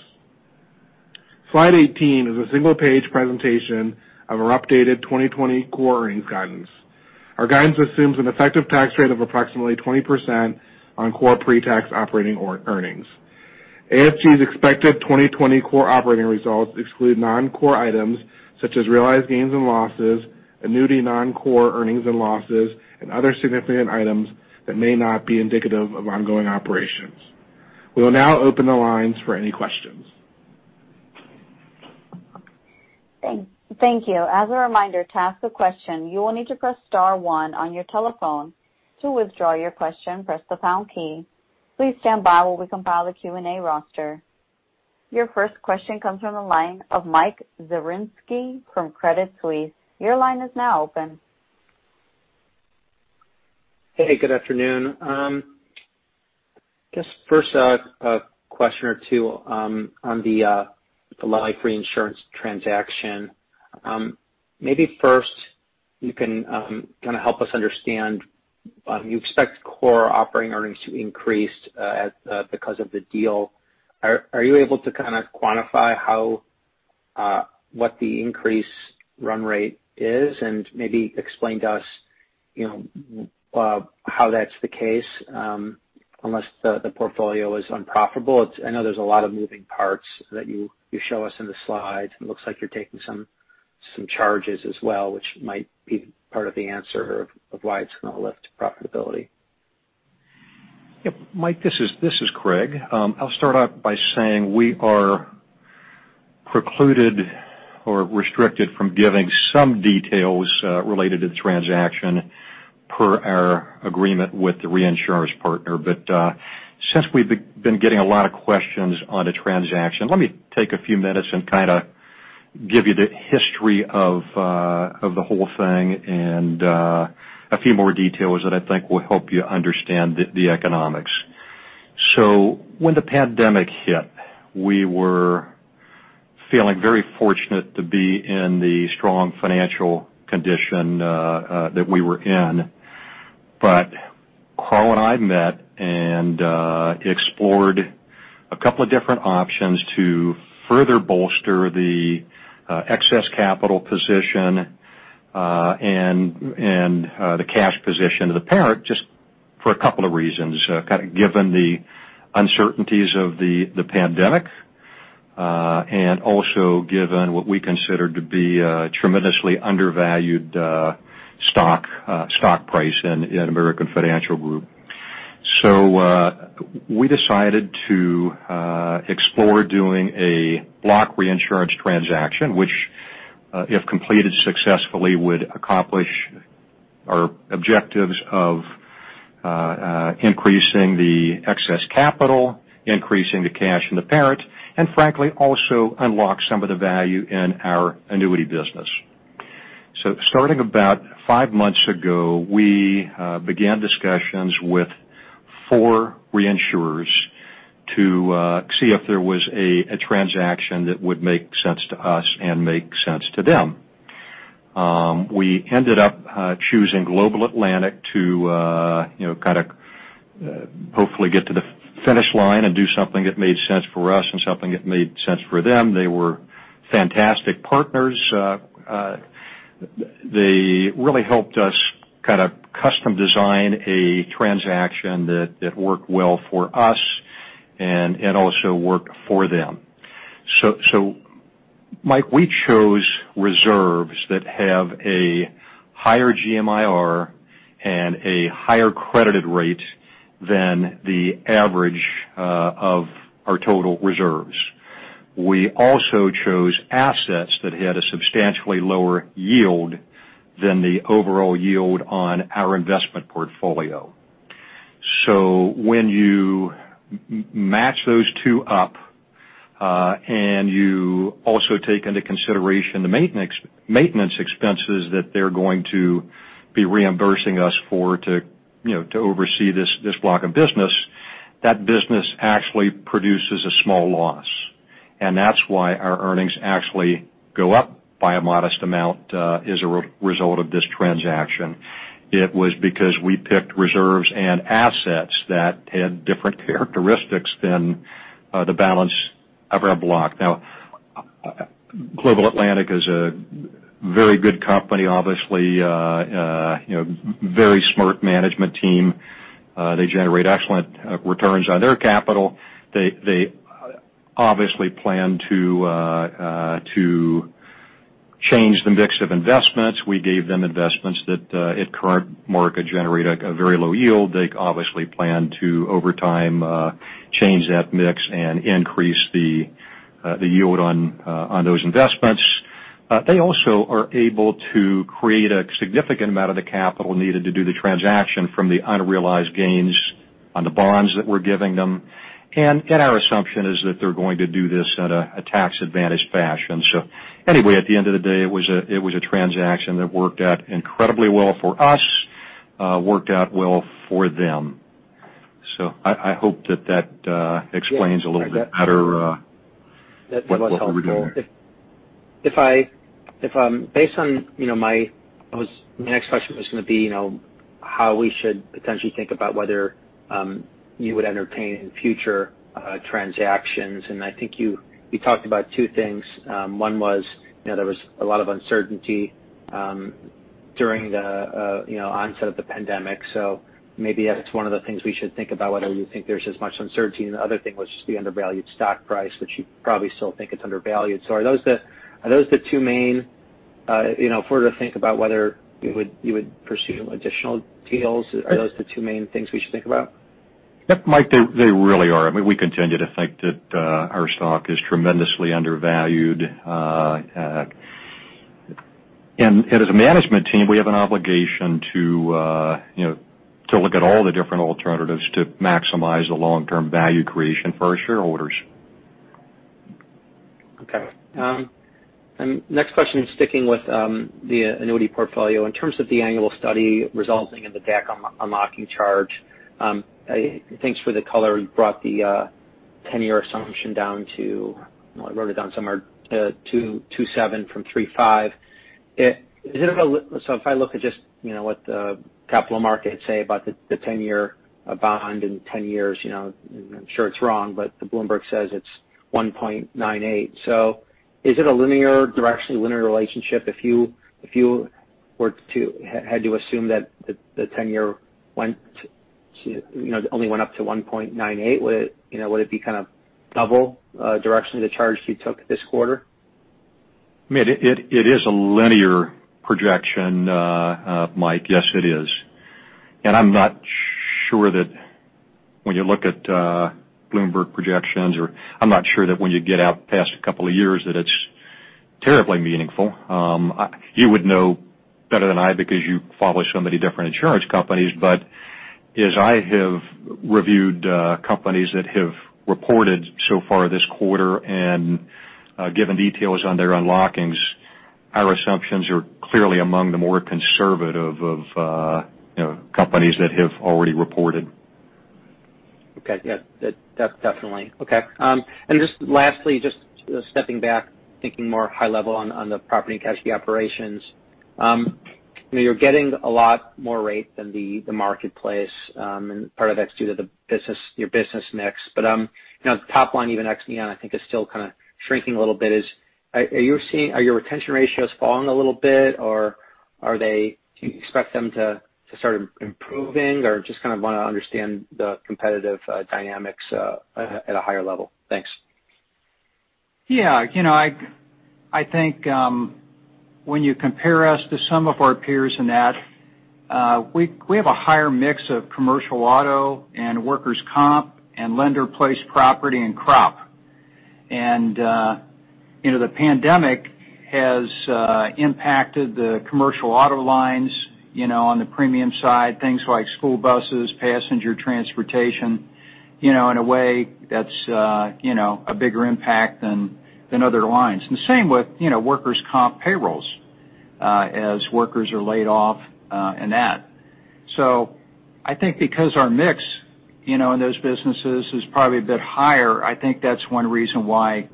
Slide 18 is a single-page presentation of our updated 2020 core earnings guidance. Our guidance assumes an effective tax rate of approximately 20% on core pretax operating earnings. AFG's expected 2020 core operating results exclude non-core items such as realized gains and losses, annuity non-core earnings and losses, and other significant items that may not be indicative of ongoing operations. We will now open the lines for any questions. Thank you. As a reminder, to ask a question, you will need to press star one on your telephone. To withdraw your question, press the pound key. Please stand by while we compile the Q&A roster. Your first question comes from the line of Michael Zaremski from Credit Suisse. Your line is now open. Hey, good afternoon. Just first a question or two on the life reinsurance transaction. Maybe first you can help us understand, you expect core operating earnings to increase because of the deal. Are you able to quantify what the increase run rate is and maybe explain to us how that's the case? Unless the portfolio is unprofitable. I know there's a lot of moving parts that you show us in the slides, and it looks like you're taking some charges as well, which might be part of the answer of why it's going to lift profitability. Yep, Mike, this is Craig. I'll start out by saying we are precluded or restricted from giving some details related to the transaction per our agreement with the reinsurance partner. Since we've been getting a lot of questions on the transaction, let me take a few minutes and give you the history of the whole thing and a few more details that I think will help you understand the economics. When the pandemic hit, we were feeling very fortunate to be in the strong financial condition that we were in. Carl and I met and explored a couple of different options to further bolster the excess capital position, and the cash position of the parent, just for a couple of reasons. Given the uncertainties of the pandemic, and also given what we consider to be a tremendously undervalued stock price in American Financial Group. We decided to explore doing a block reinsurance transaction, which, if completed successfully, would accomplish our objectives of increasing the excess capital, increasing the cash in the parent, and frankly, also unlock some of the value in our annuity business. Starting about five months ago, we began discussions with four reinsurers to see if there was a transaction that would make sense to us and make sense to them. We ended up choosing Global Atlantic to hopefully get to the finish line and do something that made sense for us and something that made sense for them. They were fantastic partners. They really helped us custom design a transaction that worked well for us and also worked for them. Mike, we chose reserves that have a higher GMIR and a higher credited rate than the average of our total reserves. We also chose assets that had a substantially lower yield than the overall yield on our investment portfolio. When you match those two up, and you also take into consideration the maintenance expenses that they're going to be reimbursing us for to oversee this block of business, that business actually produces a small loss, and that's why our earnings actually go up by a modest amount as a result of this transaction. It was because we picked reserves and assets that had different characteristics than the balance of our block. Global Atlantic is a very good company, obviously, very smart management team. They generate excellent returns on their capital. They obviously plan to change the mix of investments. We gave them investments that at current market generate a very low yield. They obviously plan to, over time, change that mix and increase the yield on those investments. They also are able to create a significant amount of the capital needed to do the transaction from the unrealized gains on the bonds that we're giving them. Our assumption is that they're going to do this at a tax-advantaged fashion. Anyway, at the end of the day, it was a transaction that worked out incredibly well for us, worked out well for them. I hope that that explains a little bit better what we're doing there. That's helpful. My next question was going to be how we should potentially think about whether you would entertain future transactions, and I think you talked about two things. One was there was a lot of uncertainty during the onset of the pandemic. Maybe that's one of the things we should think about, whether you think there's as much uncertainty. The other thing was just the undervalued stock price, which you probably still think it's undervalued. Are those the two main, if we're to think about whether you would pursue additional deals, are those the two main things we should think about? Yep, Mike, they really are. We continue to think that our stock is tremendously undervalued. As a management team, we have an obligation to look at all the different alternatives to maximize the long-term value creation for our shareholders. Okay. Next question, sticking with the annuity portfolio. In terms of the annual study resulting in the DAC unlocking charge, thanks for the color. You brought the 10-year assumption down to, I wrote it down somewhere, 2.7% from 3.5%. If I look at just what the capital markets say about the 10-year bond in 10 years, I'm sure it's wrong, but Bloomberg says it's 1.98%. Is it a linear direction, linear relationship? If you had to assume that the 10-year only went up to 1.98%, would it be double directionally the charge you took this quarter? It is a linear projection, Mike. Yes, it is. I'm not sure that when you look at Bloomberg projections, or I'm not sure that when you get out past a couple of years that it's terribly meaningful. You would know better than I because you follow so many different insurance companies. As I have reviewed companies that have reported so far this quarter and given details on their unlockings, our assumptions are clearly among the more conservative of companies that have already reported. Okay. Yeah. Definitely. Okay. Just lastly, just stepping back, thinking more high level on the property and casualty operations. You're getting a lot more rate than the marketplace, and part of that's due to your business mix. Now the top line, even ex Neon, I think is still kind of shrinking a little bit. Are your retention ratios falling a little bit, or do you expect them to start improving? Or just kind of want to understand the competitive dynamics at a higher level. Thanks. I think when you compare us to some of our peers in that, we have a higher mix of commercial auto and workers' comp and lender-placed property and crop. The pandemic has impacted the commercial auto lines on the premium side, things like school buses, passenger transportation, in a way that's a bigger impact than other lines. The same with workers' comp payrolls, as workers are laid off and that. I think because our mix in those businesses is probably a bit higher, I think that's one reason why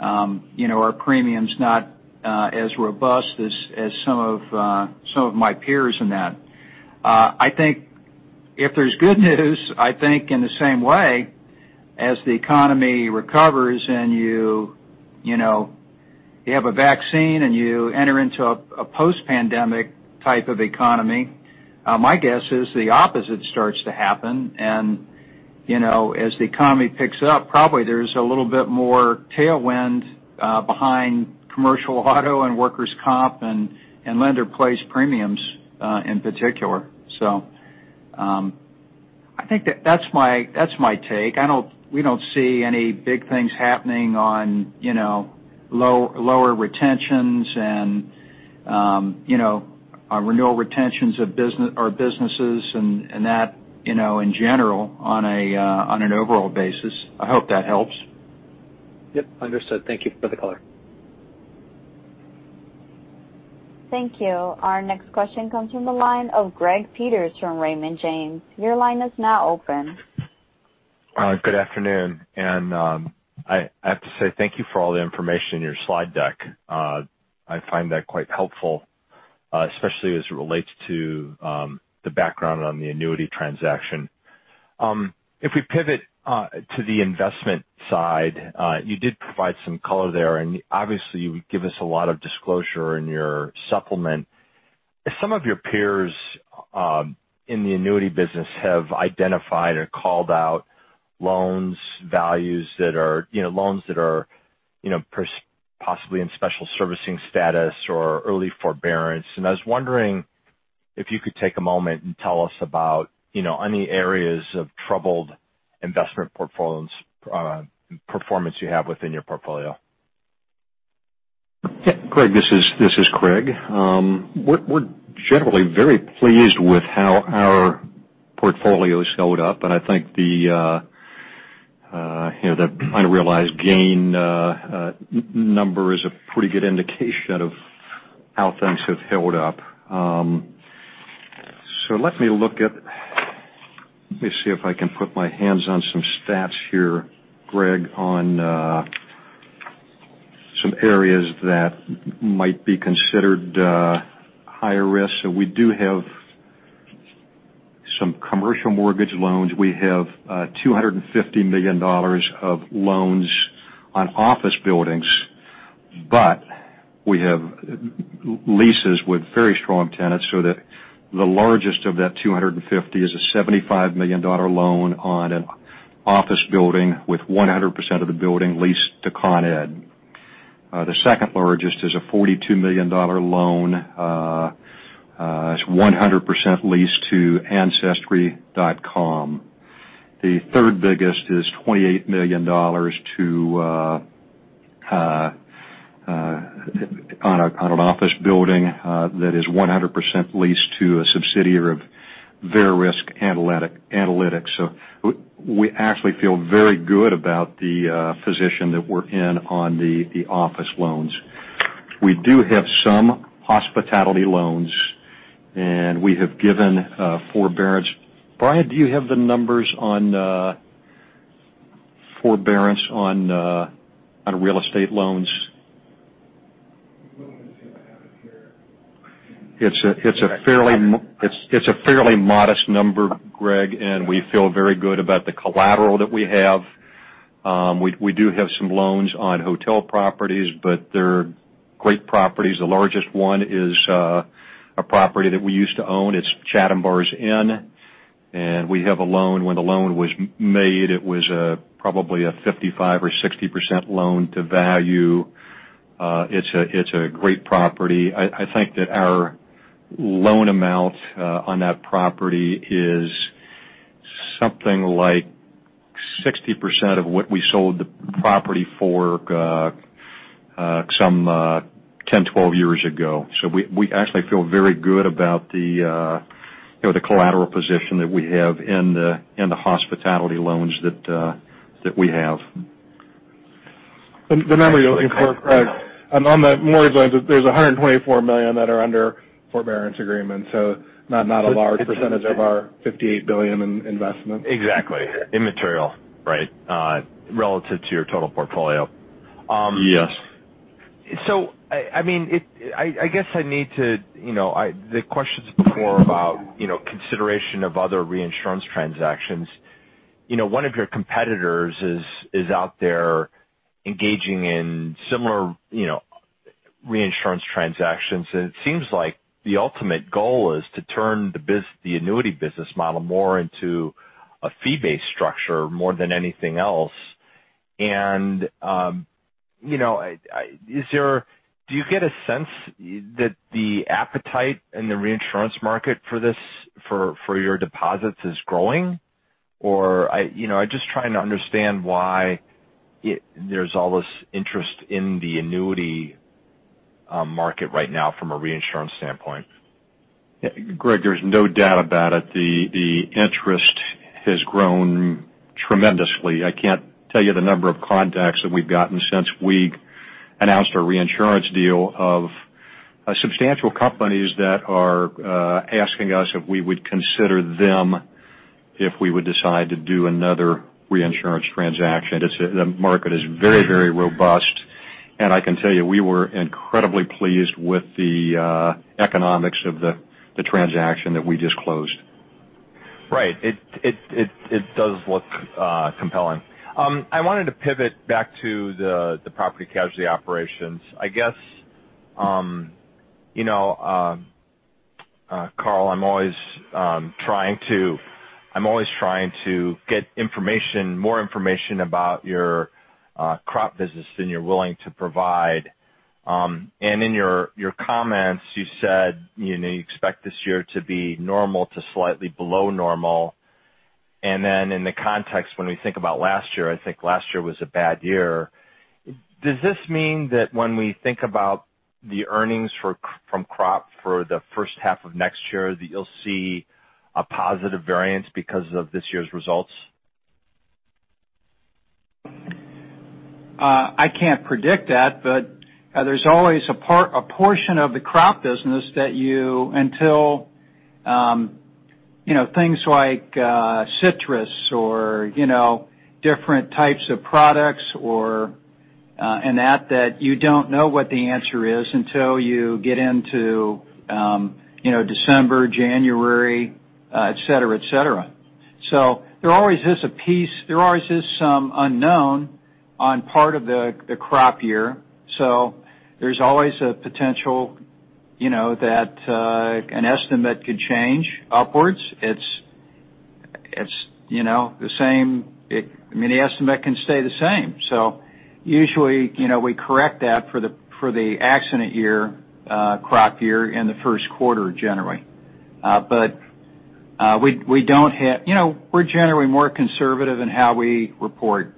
our premium's not as robust as some of my peers in that. I think if there's good news, I think in the same way as the economy recovers and you have a vaccine and you enter into a post-pandemic type of economy, my guess is the opposite starts to happen. As the economy picks up, probably there's a little bit more tailwind behind commercial auto and workers' comp and lender-placed premiums in particular. I think that's my take. We don't see any big things happening on lower retentions and our renewal retentions of our businesses and that in general on an overall basis. I hope that helps. Yep, understood. Thank you for the color. Thank you. Our next question comes from the line of Greg Peters from Raymond James. Your line is now open. Good afternoon. I have to say thank you for all the information in your slide deck. I find that quite helpful, especially as it relates to the background on the annuity transaction. If we pivot to the investment side, you did provide some color there, obviously you give us a lot of disclosure in your supplement. Some of your peers in the annuity business have identified or called out loan values that are possibly in special servicing status or early forbearance. I was wondering if you could take a moment and tell us about any areas of troubled investment performance you have within your portfolio. Yeah, Greg, this is Craig. We're generally very pleased with how our portfolio's held up, I think the unrealized gain number is a pretty good indication of how things have held up. Let me see if I can put my hands on some stats here, Greg, on some areas that might be considered higher risk. We do have some commercial mortgage loans. We have $250 million of loans on office buildings, but we have leases with very strong tenants so that the largest of that $250 is a $75 million loan on an office building with 100% of the building leased to Con Ed. The second largest is a $42 million loan. It's 100% leased to Ancestry.com. The third biggest is $28 million on an office building that is 100% leased to a subsidiary of Verisk Analytics. We actually feel very good about the position that we're in on the office loans. We do have some hospitality loans, we have given forbearance. Brian, do you have the numbers on forbearance on real estate loans? It's a fairly modest number, Greg, and we feel very good about the collateral that we have. We do have some loans on hotel properties, but they're great properties. The largest one is a property that we used to own. It's Chatham Bars Inn, and we have a loan. When the loan was made, it was probably a 55% or 60% loan to value. It's a great property. I think that our loan amount on that property is something like 60% of what we sold the property for some 10, 12 years ago. We actually feel very good about the collateral position that we have in the hospitality loans that we have. The number you're looking for, Greg, on the mortgage loans, there's $124 million that are under forbearance agreements. Not a large percentage of our $58 billion in investment. Exactly. Immaterial, right? Relative to your total portfolio. Yes. The questions before about consideration of other reinsurance transactions. One of your competitors is out there engaging in similar reinsurance transactions, and it seems like the ultimate goal is to turn the annuity business model more into a fee-based structure more than anything else. Do you get a sense that the appetite in the reinsurance market for your deposits is growing? I'm just trying to understand why there's all this interest in the annuity market right now from a reinsurance standpoint. Greg, there's no doubt about it, the interest has grown tremendously. I can't tell you the number of contacts that we've gotten since we announced our reinsurance deal of substantial companies that are asking us if we would consider them if we would decide to do another reinsurance transaction. The market is very, very robust, and I can tell you, we were incredibly pleased with the economics of the transaction that we just closed. Right. It does look compelling. I wanted to pivot back to the property casualty operations. I guess, Carl, I'm always trying to get more information about your crop business than you're willing to provide. In your comments, you said you expect this year to be normal to slightly below normal. In the context when we think about last year, I think last year was a bad year. Does this mean that when we think about the earnings from crop for the first half of next year, that you'll see a positive variance because of this year's results? I can't predict that, but there's always a portion of the crop business that you, until things like citrus or different types of products and that you don't know what the answer is until you get into December, January, et cetera. There always is a piece, there always is some unknown on part of the crop year. There's always a potential that an estimate could change upwards. The estimate can stay the same. Usually, we correct that for the accident year, crop year in the first quarter, generally. We're generally more conservative in how we report.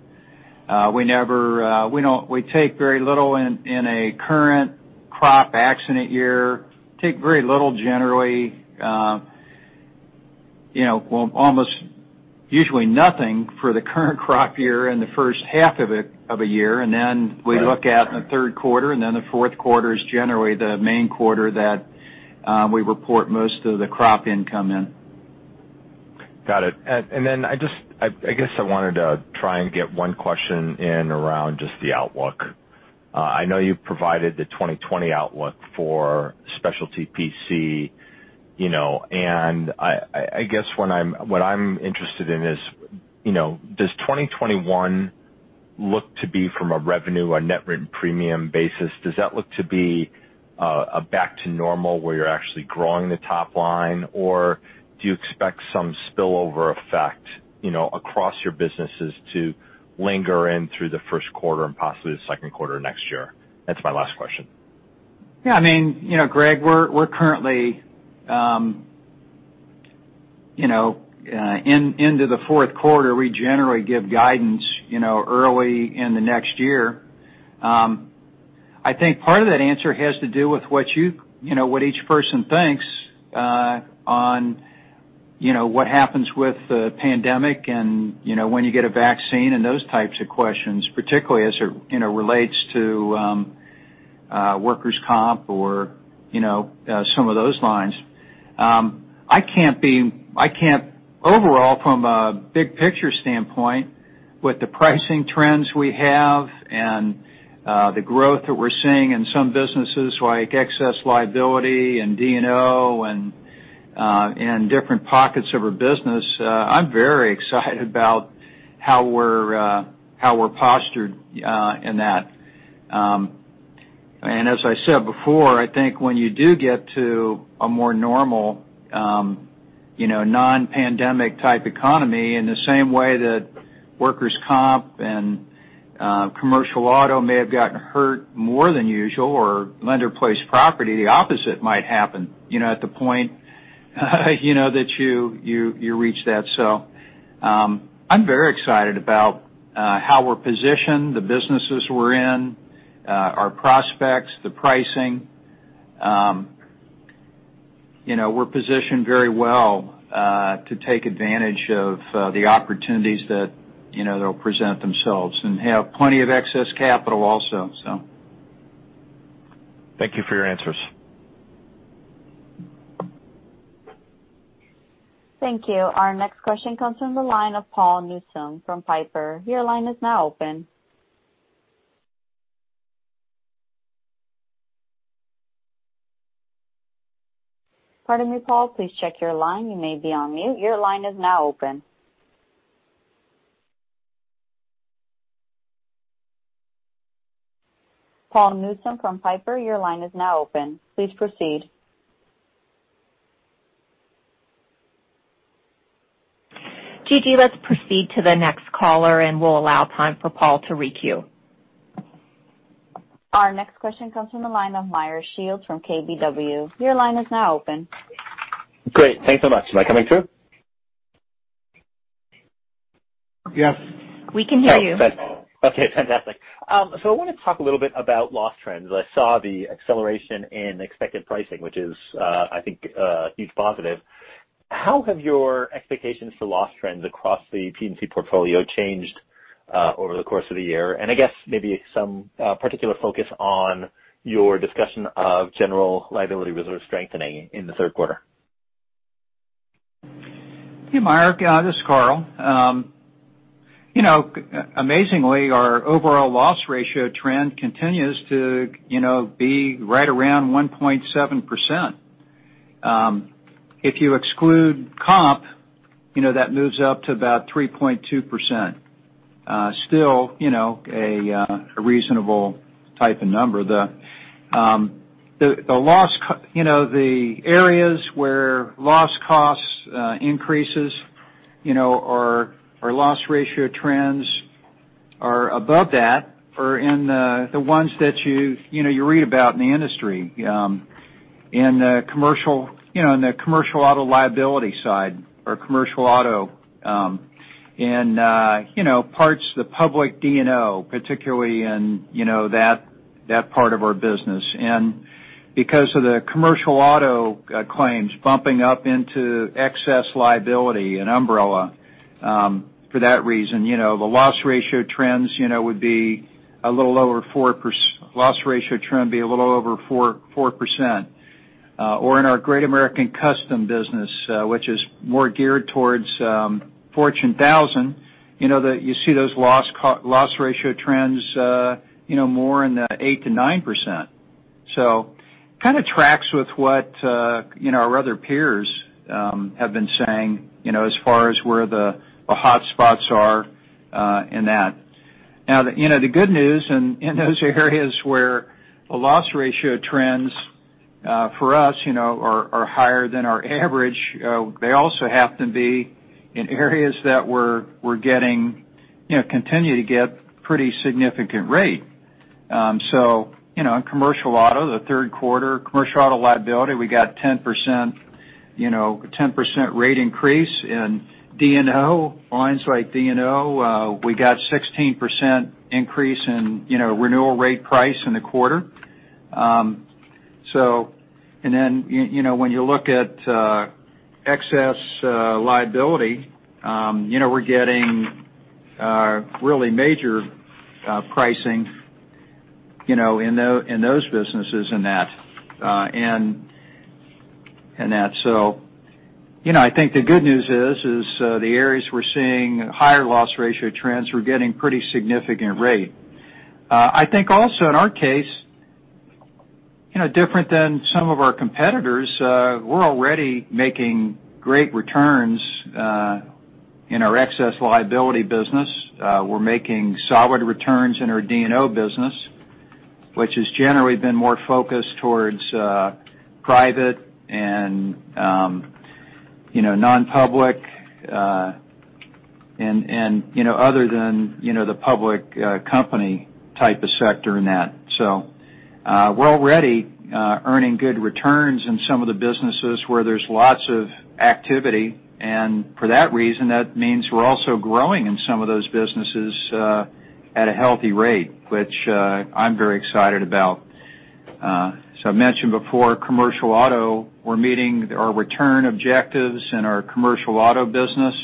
We take very little in a current crop accident year. Take very little, generally, almost usually nothing for the current crop year and the first half of a year, we look at the third quarter, the fourth quarter is generally the main quarter that we report most of the crop income in. Got it. I guess I wanted to try and get one question in around just the outlook. I know you've provided the 2020 outlook for Specialty P&C, and I guess what I'm interested in is, does 2021 look to be from a revenue or net written premium basis, does that look to be a back to normal where you're actually growing the top line, or do you expect some spillover effect across your businesses to linger in through the first quarter and possibly the second quarter next year? That's my last question. Greg, we're currently into the fourth quarter. We generally give guidance early in the next year. I think part of that answer has to do with what each person thinks on what happens with the pandemic and when you get a vaccine and those types of questions, particularly as it relates to workers' comp or some of those lines. Overall, from a big picture standpoint, with the pricing trends we have and the growth that we're seeing in some businesses like excess liability and D&O and different pockets of our business, I'm very excited about how we're postured in that. As I said before, I think when you do get to a more normal, non-pandemic type economy, in the same way that workers' comp and commercial auto may have gotten hurt more than usual, or lender-placed property, the opposite might happen at the point that you reach that. I'm very excited about how we're positioned, the businesses we're in, our prospects, the pricing. We're positioned very well to take advantage of the opportunities that'll present themselves, and have plenty of excess capital also. Thank you for your answers. Thank you. Our next question comes from the line of Paul Newsome from Piper. Your line is now open. Pardon me, Paul. Please check your line. You may be on mute. Your line is now open. Paul Newsome from Piper, your line is now open. Please proceed. GG, let's proceed to the next caller, and we'll allow time for Paul to re-queue. Our next question comes from the line of Meyer Shields from KBW. Your line is now open. Great. Thanks so much. Am I coming through? Yes. We can hear you. Okay, fantastic. I want to talk a little bit about loss trends. I saw the acceleration in expected pricing, which is, I think, a huge positive. How have your expectations for loss trends across the P&C portfolio changed over the course of the year? I guess maybe some particular focus on your discussion of general liability reserve strengthening in the third quarter. Hey, Meyer. This is Carl. Amazingly, our overall loss ratio trend continues to be right around 1.7%. If you exclude comp, that moves up to about 3.2%. Still a reasonable type of number. The areas where loss costs increases or loss ratio trends are above that are in the ones that you read about in the industry. In the commercial auto liability side, or commercial auto, and parts of the public D&O, particularly in that part of our business. Because of the commercial auto claims bumping up into excess liability and umbrella for that reason, the loss ratio trend would be a little over 4%, or in our Great American custom business, which is more geared towards Fortune 1000, you see those loss ratio trends more in the 8%-9%. Kind of tracks with what our other peers have been saying as far as where the hotspots are in that. Now, the good news in those areas where the loss ratio trends for us are higher than our average, they also happen to be in areas that we're getting, continue to get pretty significant rate. In commercial auto, the third quarter commercial auto liability, we got 10% rate increase in lines like D&O. We got 16% increase in renewal rate price in the quarter. Then when you look at excess liability, we're getting really major pricing in those businesses in that. I think the good news is the areas we're seeing higher loss ratio trends, we're getting pretty significant rate. I think also in our case, different than some of our competitors, we're already making great returns in our excess liability business. We're making solid returns in our D&O business, which has generally been more focused towards private and non-public, other than the public company type of sector in that. We're already earning good returns in some of the businesses where there's lots of activity. For that reason, that means we're also growing in some of those businesses at a healthy rate, which I'm very excited about. As I mentioned before, commercial auto, we're meeting our return objectives in our commercial auto business.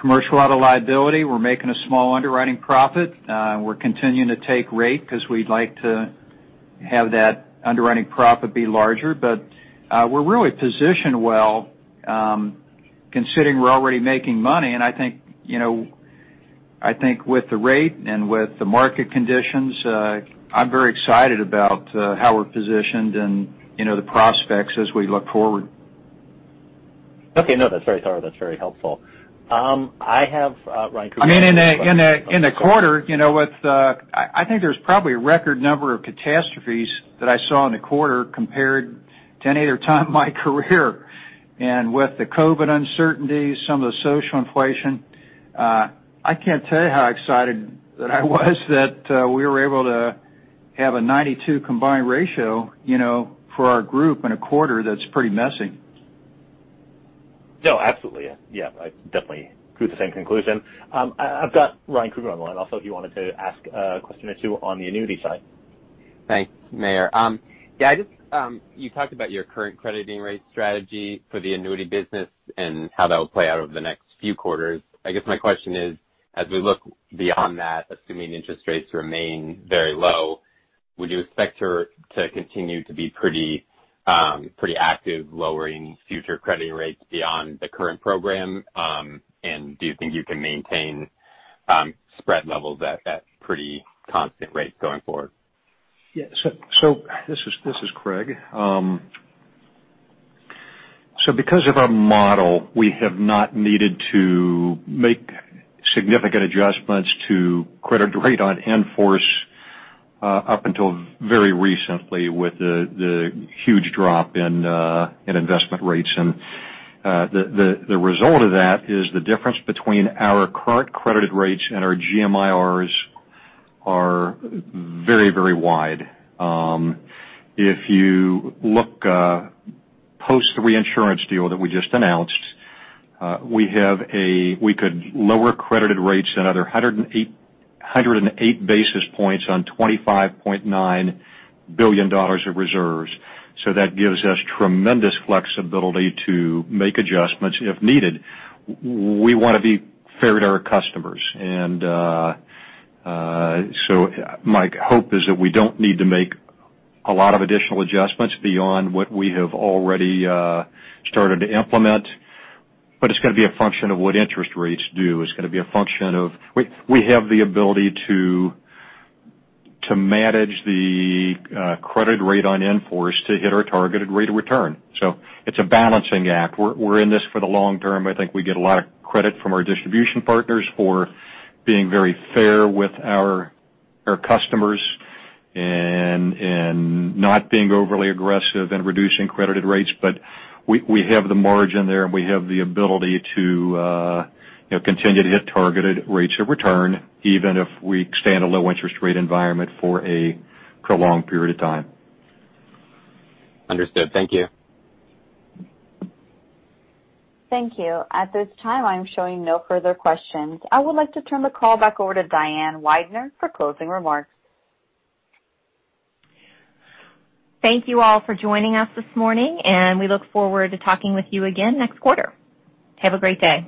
Commercial auto liability, we're making a small underwriting profit. We're continuing to take rate because we'd like to have that underwriting profit be larger. We're really positioned well, considering we're already making money. I think with the rate and with the market conditions, I'm very excited about how we're positioned and the prospects as we look forward. Okay. No, that's very thorough. That's very helpful. I have Ryan Krueger. In the quarter, I think there's probably a record number of catastrophes that I saw in the quarter compared to any other time in my career. With the COVID uncertainty, some of the social inflation, I can't tell you how excited that I was that we were able to have a 92 combined ratio for our group in a quarter that's pretty messy. No, absolutely. Yeah. I definitely drew the same conclusion. I've got Ryan Krueger on the line also, he wanted to ask a question or two on the annuity side. Thanks, Meyer. You talked about your current crediting rate strategy for the annuity business and how that will play out over the next few quarters. I guess my question is, as we look beyond that, assuming interest rates remain very low, would you expect to continue to be pretty active lowering future crediting rates beyond the current program? Do you think you can maintain spread levels at pretty constant rates going forward? Yeah. This is Craig. Because of our model, we have not needed to make significant adjustments to credit rate on in-force up until very recently with the huge drop in investment rates. The result of that is the difference between our current credited rates and our GMIRs are very wide. If you look post the reinsurance deal that we just announced, we could lower credited rates another 108 basis points on $25.9 billion of reserves. That gives us tremendous flexibility to make adjustments if needed. We want to be fair to our customers. My hope is that we don't need to make a lot of additional adjustments beyond what we have already started to implement. It's going to be a function of what interest rates do. We have the ability to manage the credit rate on in-force to hit our targeted rate of return. It's a balancing act. We're in this for the long term. I think we get a lot of credit from our distribution partners for being very fair with our customers and not being overly aggressive in reducing credited rates. We have the margin there, and we have the ability to continue to hit targeted rates of return, even if we stay in a low interest rate environment for a prolonged period of time. Understood. Thank you. Thank you. At this time, I'm showing no further questions. I would like to turn the call back over to Diane Weidner for closing remarks. Thank you all for joining us this morning, and we look forward to talking with you again next quarter. Have a great day.